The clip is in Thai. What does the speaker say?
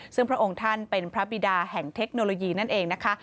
ซึ่งพระองค์ท่านเป็นพระบิดาแห่งเทคโนโลยีนั่นเองนะคะ